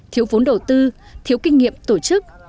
thiếu vốn đầu tư thiếu kinh nghiệm tổ chức